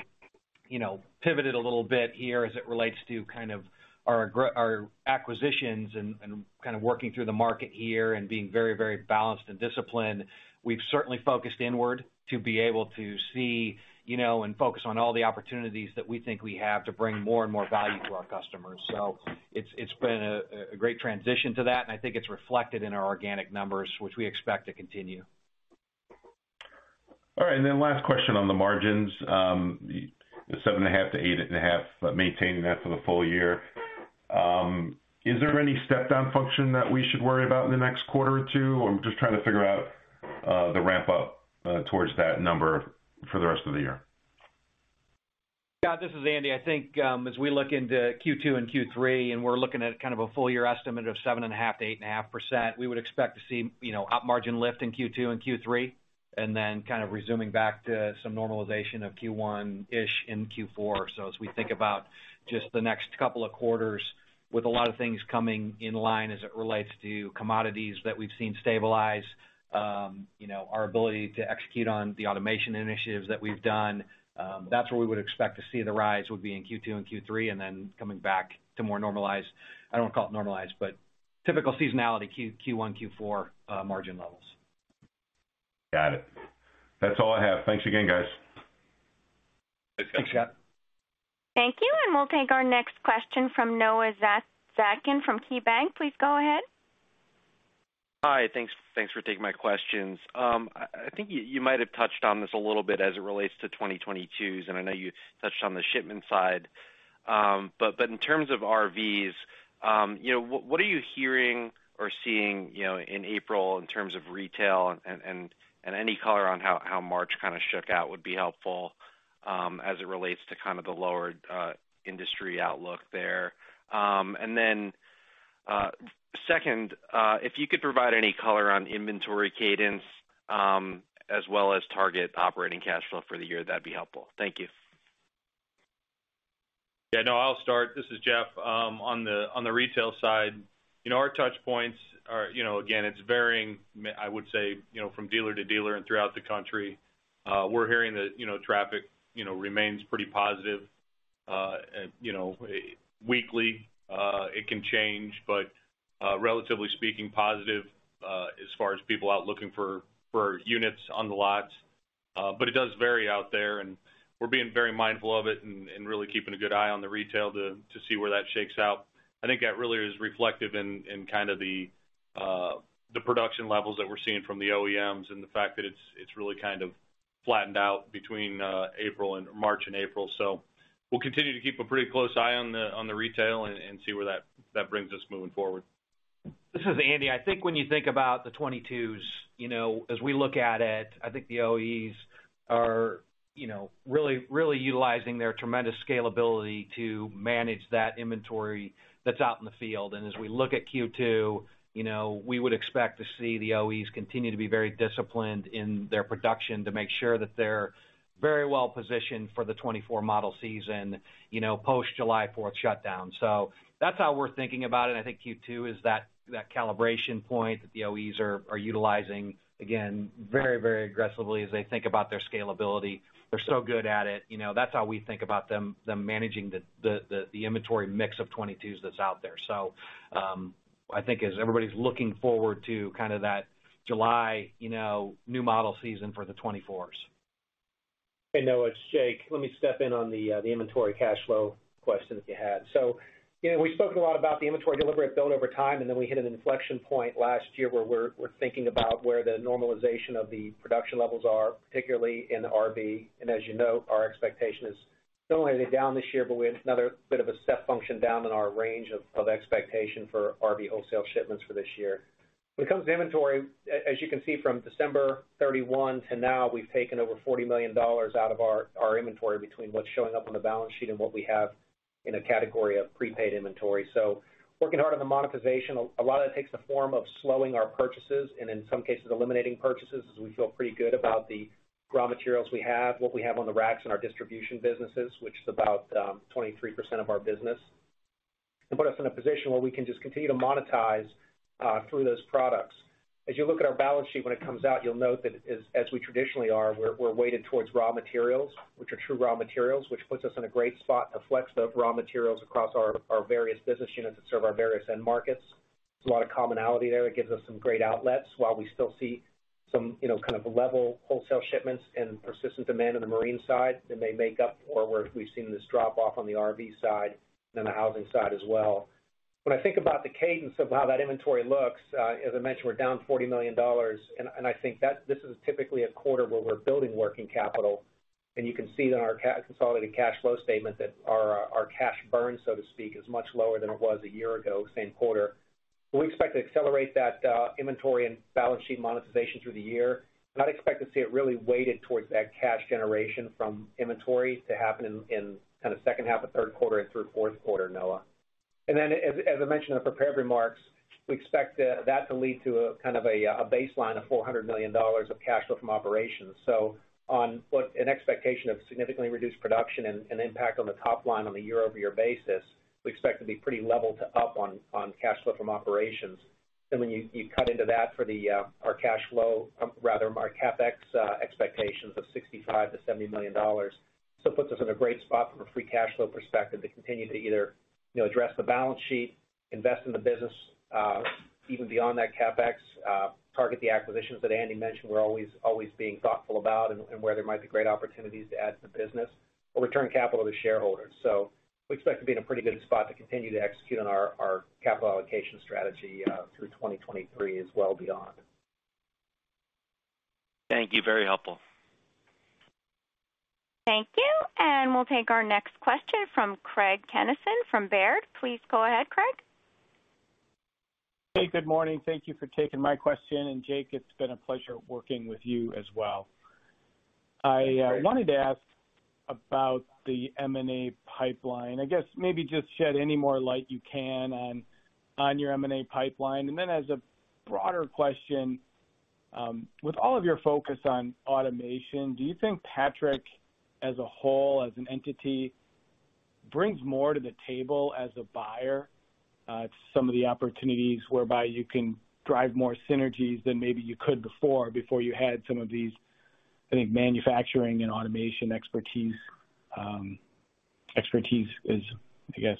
Speaker 3: you know, pivoted a little bit here as it relates to kind of our acquisitions and kind of working through the market here and being very balanced and disciplined, we've certainly focused inward to be able to see, you know, and focus on all the opportunities that we think we have to bring more and more value to our customers. It's been a great transition to that, and I think it's reflected in our organic numbers, which we expect to continue.
Speaker 8: All right. Last question on the margins. The 7.5%-8.5%, maintaining that for the full year. Is there any step down function that we should worry about in the next quarter or 2? I'm just trying to figure out the ramp up towards that number for the rest of the year.
Speaker 3: Scott, this is Andy. I think, as we look into Q2 and Q3, and we're looking at kind of a full year estimate of 7.5%-8.5%, we would expect to see, you know, op margin lift in Q2 and Q3, and then kind of resuming back to some normalization of Q1-ish in Q4. As we think about just the next couple of quarters with a lot of things coming in line as it relates to commodities that we've seen stabilize, you know, our ability to execute on the automation initiatives that we've done, that's where we would expect to see the rise would be in Q2 and Q3, and then coming back to more normalized. I don't want to call it normalized, but typical seasonality Q1, Q4, margin levels.
Speaker 8: Got it. That's all I have. Thanks again, guys.
Speaker 5: Thanks, Scott.
Speaker 1: Thank you. We'll take our next question from Noah Zatzkin from KeyBank. Please go ahead.
Speaker 9: Hi. Thanks for taking my questions. I think you might have touched on this a little bit as it relates to 2022s. I know you touched on the shipment side. In terms of RVs, what are you hearing or seeing in April in terms of retail and any color on how March kind of shook out would be helpful as it relates to kind of the lower industry outlook there. Then, second, if you could provide any color on inventory cadence, as well as target operating cash flow for the year, that'd be helpful. Thank you.
Speaker 5: Yeah, no. I'll start. This is Jeff. on the retail side, you know, our touch points are, you know, again, it's I would say, you know, from dealer to dealer and throughout the country. we're hearing that, you know, traffic, you know, remains pretty positive. you know, weekly, it can change, but, relatively speaking positive, as far as people out looking for units on the lots. it does vary out there, and we're being very mindful of it and really keeping a good eye on the retail to see where that shakes out. I think that really is reflective in kind of the production levels that we're seeing from the OEMs and the fact that it's really kind of flattened out between, April and March and April. We'll continue to keep a pretty close eye on the retail and see where that brings us moving forward.
Speaker 3: This is Andy. I think when you think about the 2022s, you know, as we look at it, I think the OEMs are, you know, really utilizing their tremendous scalability to manage that inventory that's out in the field. As we look at Q2, you know, we would expect to see the OEMs continue to be very disciplined in their production to make sure that they're very well positioned for the 2024 model season, you know, post July 4th shutdown. That's how we're thinking about it. I think Q2 is that calibration point that the OEMs are utilizing, again, very aggressively as they think about their scalability. They're so good at it. You know, that's how we think about them managing the inventory mix of 2022s that's out there. I think as everybody's looking forward to kind of that July, you know, new model season for the 2024s.
Speaker 5: Hey, Noah, it's Jake. Let me step in on the inventory cash flow question that you had. You know, we've spoken a lot about the inventory deliberate build over time, and then we hit an inflection point last year where we're thinking about where the normalization of the production levels are, particularly in the RV. As you know, our expectation is not only are they down this year, but we had another bit of a step function down in our range of expectation for RV wholesale shipments for this year. When it comes to inventory, as you can see from December 31 to now, we've taken over $40 million out of our inventory between what's showing up on the balance sheet and what we have in a category of prepaid inventory. Working hard on the monetization, a lot of it takes the form of slowing our purchases and in some cases, eliminating purchases as we feel pretty good about the raw materials we have, what we have on the racks in our distribution businesses, which is about 23% of our business, and put us in a position where we can just continue to monetize through those products. As you look at our balance sheet when it comes out, you'll note that as we traditionally are, we're weighted towards raw materials, which are true raw materials, which puts us in a great spot of flex of raw materials across our various business units that serve our various end markets. There's a lot of commonality there that gives us some great outlets while we still see some, you know, kind of level wholesale shipments and persistent demand in the marine side that may make up for where we've seen this drop off on the RV side and the housing side as well. When I think about the cadence of how that inventory looks, as I mentioned, we're down $40 million, and I think that this is typically a quarter where we're building working capital. You can see that our consolidated cash flow statement that our cash burn, so to speak, is much lower than it was a year ago, same quarter. We expect to accelerate that inventory and balance sheet monetization through the year. I'd expect to see it really weighted towards that cash generation from inventory to happen in kind of second half of third quarter and through fourth quarter, Noah. As I mentioned in the prepared remarks, we expect that to lead to a baseline of $400 million of cash flow from operations. On what an expectation of significantly reduced production and impact on the top line on a year-over-year basis, we expect to be pretty level to up on cash flow from operations. When you cut into that for the our cash flow, rather our CapEx expectations of $65 million-$70 million, still puts us in a great spot from a free cash flow perspective to continue to either, you know, address the balance sheet, invest in the business, even beyond that CapEx target the acquisitions that Andy mentioned we're always being thoughtful about and where there might be great opportunities to add to the business or return capital to shareholders. We expect to be in a pretty good spot to continue to execute on our capital allocation strategy through 2023 and well beyond.
Speaker 9: Thank you. Very helpful.
Speaker 1: Thank you. We'll take our next question from Craig Kennison from Baird. Please go ahead, Craig.
Speaker 10: Hey, good morning. Thank you for taking my question. Jake, it's been a pleasure working with you as well.
Speaker 5: Thanks, Craig.
Speaker 10: I wanted to ask about the M&A pipeline. I guess maybe just shed any more light you can on your M&A pipeline. Then as a broader question, with all of your focus on automation, do you think Patrick, as a whole, as an entity, brings more to the table as a buyer, to some of the opportunities whereby you can drive more synergies than maybe you could before you had some of these, I think, manufacturing and automation expertise is, I guess?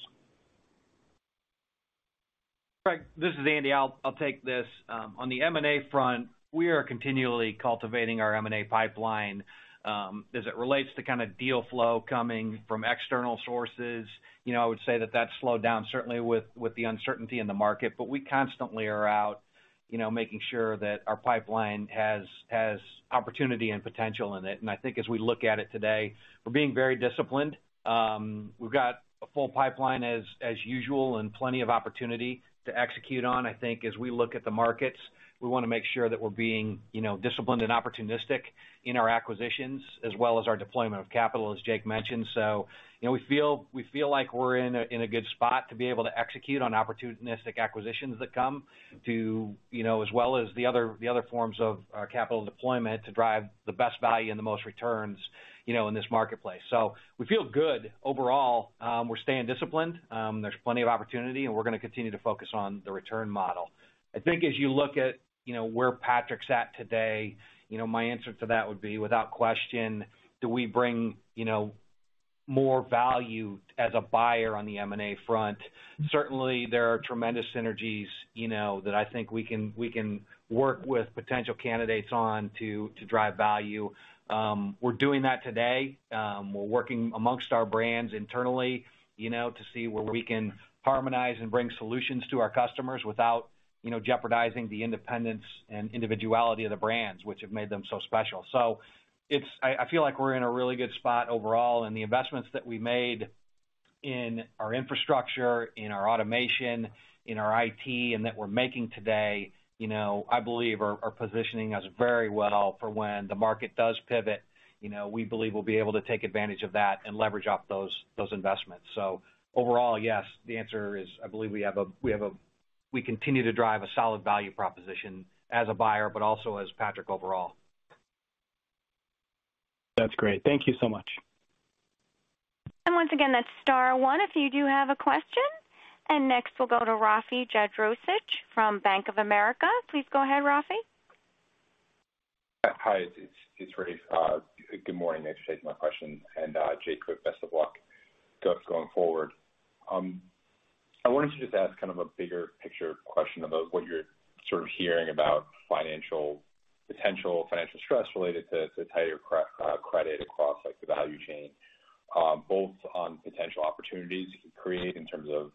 Speaker 3: Craig, this is Andy. I'll take this. On the M&A front, we are continually cultivating our M&A pipeline. As it relates to kind of deal flow coming from external sources, you know, I would say that's slowed down certainly with the uncertainty in the market. We constantly are out, you know, making sure that our pipeline has opportunity and potential in it. I think as we look at it today, we're being very disciplined. We've got a full pipeline as usual and plenty of opportunity to execute on. I think as we look at the markets, we wanna make sure that we're being, you know, disciplined and opportunistic in our acquisitions as well as our deployment of capital, as Jake mentioned. You know, we feel like we're in a good spot to be able to execute on opportunistic acquisitions that come to, you know, as well as the other, the other forms of capital deployment to drive the best value and the most returns, you know, in this marketplace. We feel good overall. We're staying disciplined. There's plenty of opportunity, and we're gonna continue to focus on the return model. I think as you look at, you know, where Patrick's at today, you know, my answer to that would be, without question, do we bring, you know, more value as a buyer on the M&A front? Certainly, there are tremendous synergies, you know, that I think we can work with potential candidates on to drive value. We're doing that today. We're working amongst our brands internally, you know, to see where we can harmonize and bring solutions to our customers without, you know, jeopardizing the independence and individuality of the brands, which have made them so special. I feel like we're in a really good spot overall, and the investments that we made in our infrastructure, in our automation, in our IT, and that we're making today, you know, I believe are positioning us very well for when the market does pivot. We believe we'll be able to take advantage of that and leverage up those investments. Overall, yes, the answer is, I believe we have a, we continue to drive a solid value proposition as a buyer, but also as Patrick overall.
Speaker 11: That's great. Thank you so much.
Speaker 1: Once again, that's star 1 if you do have a question. Next we'll go to Rafe Jadrosich from Bank of America. Please go ahead, Rafi.
Speaker 12: Hi, it's Rafe. Good morning. Thanks for taking my question. Jake, best of luck going forward. I wanted to just ask kind of a bigger picture question about what you're sort of hearing about financial potential financial stress related to tighter credit across, like, the value chain, both on potential opportunities it can create in terms of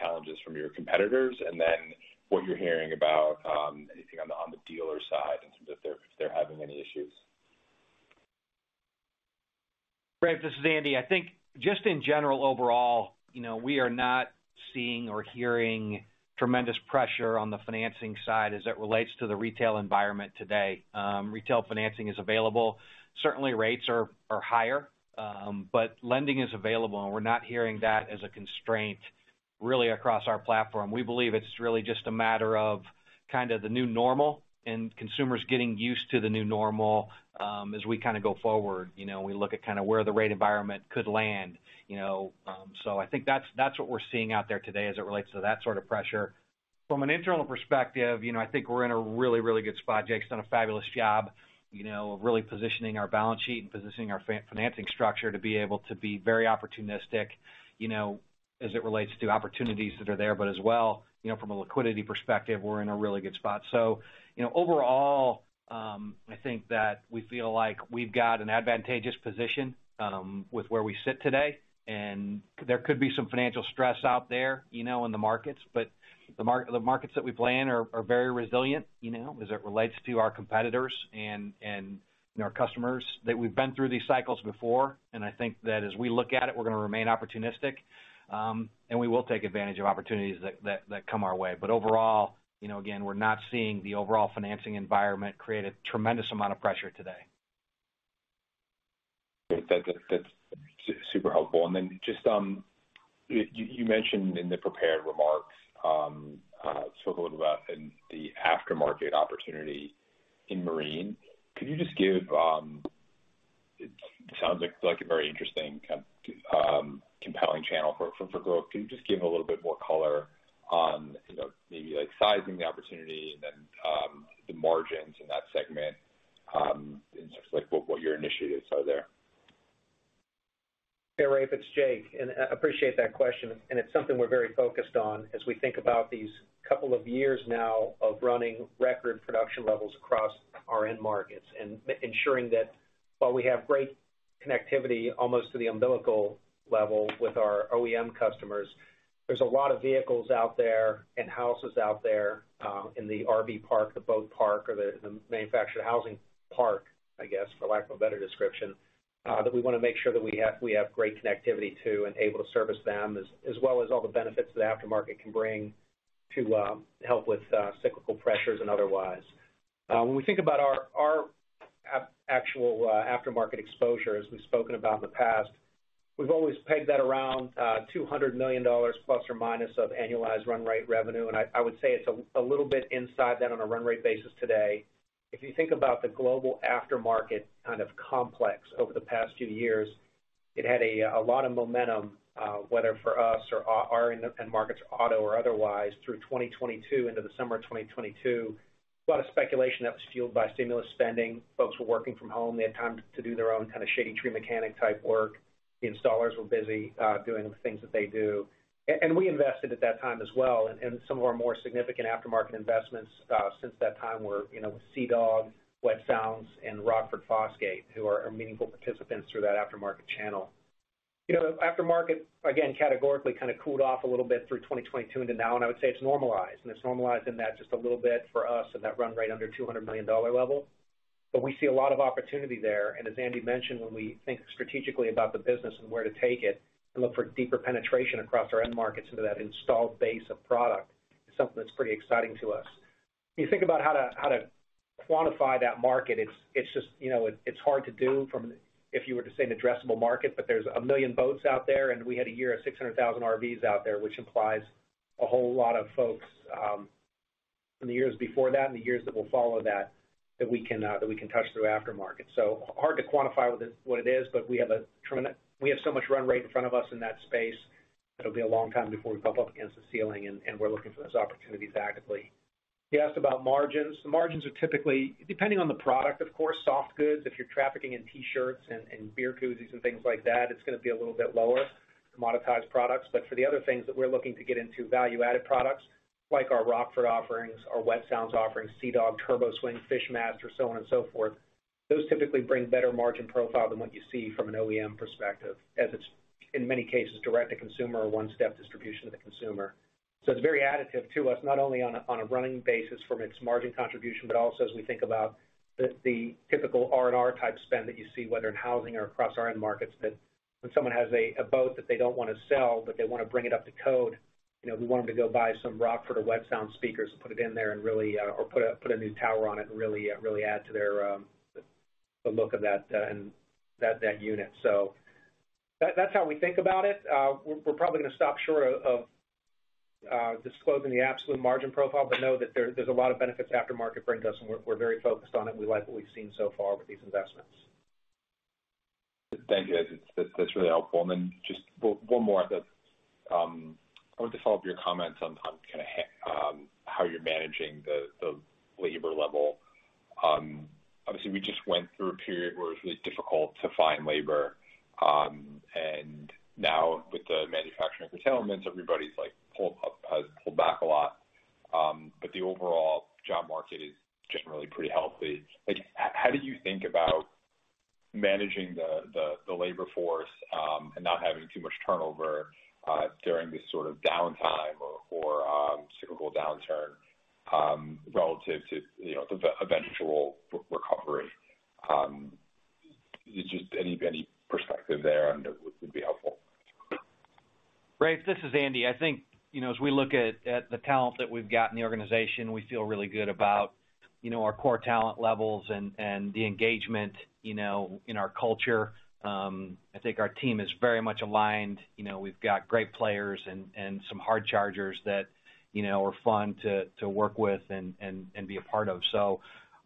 Speaker 12: challenges from your competitors and then what you're hearing about anything on the dealer side in terms of if they're having any issues.
Speaker 3: Rafe, this is Andy. I think just in general overall, you know, we are not seeing or hearing tremendous pressure on the financing side as it relates to the retail environment today. Retail financing is available. Certainly rates are higher, but lending is available, and we're not hearing that as a constraint really across our platform. We believe it's really just a matter of kind of the new normal and consumers getting used to the new normal, as we kind of go forward. You know, we look at kind of where the rate environment could land, you know. I think that's what we're seeing out there today as it relates to that sort of pressure. From an internal perspective, you know, I think we're in a really, really good spot. Jake's done a fabulous job, you know, of really positioning our balance sheet and positioning our fan-financing structure to be able to be very opportunistic, you know, as it relates to opportunities that are there. As well, you know, from a liquidity perspective, we're in a really good spot. You know, overall, I think that we feel like we've got an advantageous position with where we sit today, and there could be some financial stress out there, you know, in the markets. The markets that we play in are very resilient, you know, as it relates to our competitors and, you know, our customers, that we've been through these cycles before. I think that as we look at it, we're gonna remain opportunistic, and we will take advantage of opportunities that come our way. Overall, you know, again, we're not seeing the overall financing environment create a tremendous amount of pressure today.
Speaker 12: Great. That's super helpful. Then just, you mentioned in the prepared remarks, spoke a little about in the aftermarket opportunity in marine. Could you just give? It sounds like a very interesting kind of compelling channel for growth. Can you just give a little bit more color on, you know, maybe like sizing the opportunity and then the margins in that segment, and just like what your initiatives are there?
Speaker 3: Yeah, Rafe, it's Jake, and I appreciate that question, and it's something we're very focused on as we think about these 2 years now of running record production levels across our end markets and ensuring that while we have great connectivity almost to the umbilical level with our OEM customers, there's a lot of vehicles out there and houses out there in the RV park, the boat park, or the manufactured housing park, I guess, for lack of a better description, that we wanna make sure that we have great connectivity to and able to service them as well as all the benefits that aftermarket can bring to help with cyclical pressures and otherwise. When we think about our aftermarket exposure, as we've spoken about in the past, we've always pegged that around $200 million plus or minus of annualized run rate revenue. I would say it's a little bit inside that on a run rate basis today. If you think about the global aftermarket kind of complex over the past few years, it had a lot of momentum, whether for us or our end markets, auto or otherwise, through 2022 into the summer of 2022. A lot of speculation that was fueled by stimulus spending. Folks were working from home. They had time to do their own kind of shady tree mechanic type work. The installers were busy doing the things that they do. We invested at that time as well, and some of our more significant aftermarket investments since that time were, you know, Sea-Dog, Wet Sounds, and Rockford Fosgate, who are meaningful participants through that aftermarket channel. You know, aftermarket, again, categorically kinda cooled off a little bit through 2022 into now, I would say it's normalized. It's normalized in that just a little bit for us in that run rate under $200 million level. We see a lot of opportunity there. As Andy mentioned, when we think strategically about the business and where to take it and look for deeper penetration across our end markets into that installed base of product, it's something that's pretty exciting to us. You think about how to quantify that market, it's just, you know, it's hard to do from, if you were to say an addressable market, but there's 1 million boats out there, and we had a year of 600,000 RVs out there, which implies a whole lot of folks in the years before that and the years that will follow that we can touch through aftermarket. Hard to quantify what it is, but we have so much run rate in front of us in that space, it'll be a long time before we bump up against the ceiling, and we're looking for those opportunities actively. You asked about margins. The margins are typically depending on the product, of course. Soft goods, if you're trafficking in T-shirts and beer koozies and things like that, it's gonna be a little bit lower commoditized products. For the other things that we're looking to get into, value-added products like our Rockford offerings, our Wet Sounds offerings, Sea-Dog, TurboSwing, Fishmaster or so on and so forth, those typically bring better margin profile than what you see from an OEM perspective, as it's, in many cases, direct-to-consumer or one-step distribution to the consumer. It's very additive to us, not only on a running basis from its margin contribution, but also as we think about the typical R&R-type spend that you see, whether in housing or across our end markets, that when someone has a boat that they don't wanna sell, but they wanna bring it up to code, you know, we want them to go buy some Rockford or Wet Sounds speakers to put it in there and really, or put a new tower on it and really add to their the look of that unit. That's how we think about it. We're probably gonna stop short of disclosing the absolute margin profile, but know that there's a lot of benefits to aftermarket for Indust and we're very focused on it. We like what we've seen so far with these investments.
Speaker 12: Thank you, guys. That's really helpful. Just one more. I wanted to follow up your comments on kinda how you're managing the labor level. Obviously we just went through a period where it was really difficult to find labor. Now with the manufacturing curtailments, everybody's like has pulled back a lot. The overall job market is generally pretty healthy. Like, how do you think about managing the labor force and not having too much turnover during this sort of downtime or cyclical downturn relative to, you know, the eventual recovery? Just any perspective there would be helpful.
Speaker 3: Rafe, this is Andy. I think, you know, as we look at the talent that we've got in the organization, we feel really good about, you know, our core talent levels and the engagement, you know, in our culture. I think our team is very much aligned. You know, we've got great players and some hard chargers that, you know, are fun to work with and be a part of.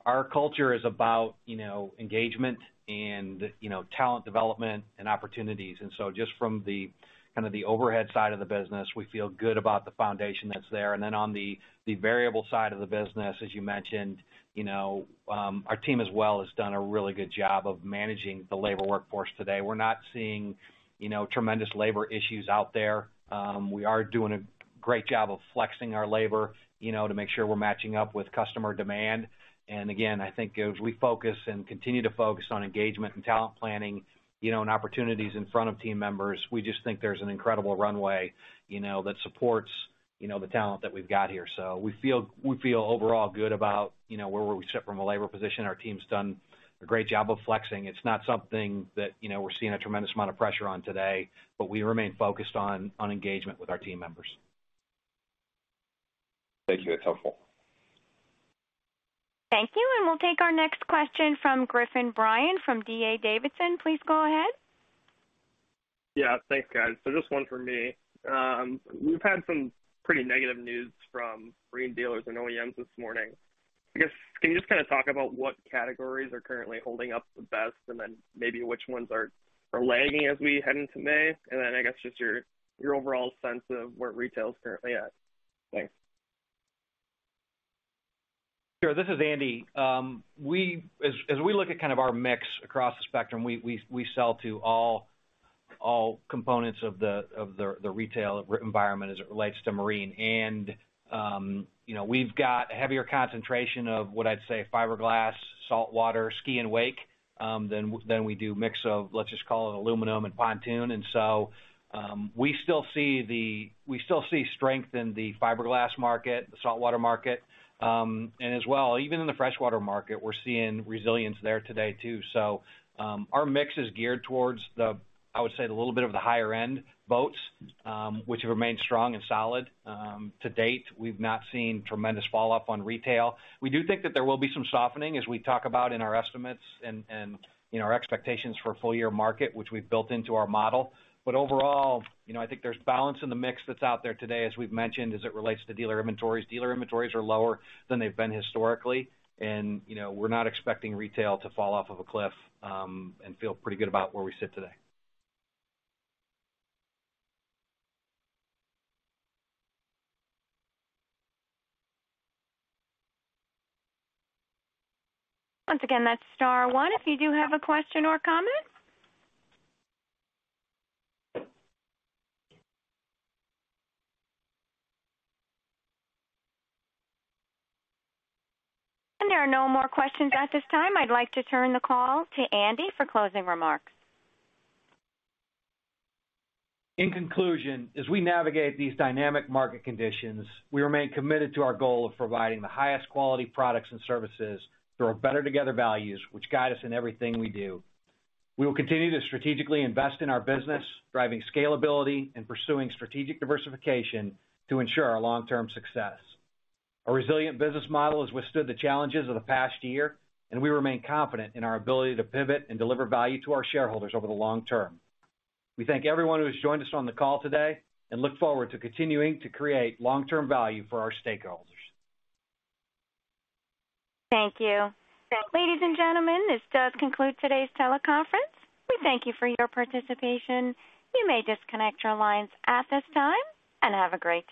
Speaker 3: Our culture is about, you know, engagement and, you know, talent development and opportunities. Just from the kind of the overhead side of the business, we feel good about the foundation that's there. On the variable side of the business, as you mentioned, you know, our team as well has done a really good job of managing the labor workforce today. We're not seeing, you know, tremendous labor issues out there. We are doing a great job of flexing our labor, you know, to make sure we're matching up with customer demand. Again, I think as we focus and continue to focus on engagement and talent planning, you know, and opportunities in front of team members, we just think there's an incredible runway, you know, that supports, you know, the talent that we've got here. We feel, we feel overall good about, you know, where we sit from a labor position. Our team's done a great job of flexing. It's not something that, you know, we're seeing a tremendous amount of pressure on today. We remain focused on engagement with our team members.
Speaker 12: Thank you. That's helpful.
Speaker 1: Thank you. We'll take our next question from Griffin Bryan from D.A. Davidson. Please go ahead.
Speaker 13: Yeah, thanks, guys. Just one for me. We've had some pretty negative news from marine dealers and OEMs this morning. I guess, can you just kind of talk about what categories are currently holding up the best and then maybe which ones are lagging as we head into May? I guess just your overall sense of where retail is currently at. Thanks.
Speaker 3: Sure. This is Andy. As we look at kind of our mix across the spectrum, we sell to all components of the retail environment as it relates to marine. You know, we've got a heavier concentration of what I'd say fiberglass, saltwater, ski and wake, than we do mix of, let's just call it aluminum and pontoon. We still see strength in the fiberglass market, the saltwater market, and as well, even in the freshwater market, we're seeing resilience there today too. Our mix is geared towards the little bit of the higher-end boats, which have remained strong and solid. To date, we've not seen tremendous fall off on retail. We do think that there will be some softening as we talk about in our estimates and, you know, our expectations for full-year market, which we've built into our model. Overall, you know, I think there's balance in the mix that's out there today, as we've mentioned, as it relates to dealer inventories. Dealer inventories are lower than they've been historically. You know, we're not expecting retail to fall off of a cliff, and feel pretty good about where we sit today.
Speaker 1: Once again, that's star one if you do have a question or comment. There are no more questions at this time. I'd like to turn the call to Andy for closing remarks.
Speaker 3: In conclusion, as we navigate these dynamic market conditions, we remain committed to our goal of providing the highest quality products and services through our Better Together values, which guide us in everything we do. We will continue to strategically invest in our business, driving scalability and pursuing strategic diversification to ensure our long-term success. Our resilient business model has withstood the challenges of the past year, and we remain confident in our ability to pivot and deliver value to our shareholders over the long term. We thank everyone who has joined us on the call today and look forward to continuing to create long-term value for our stakeholders.
Speaker 1: Thank you. Ladies and gentlemen, this does conclude today's teleconference. We thank you for your participation. You may disconnect your lines at this time, and have a great day.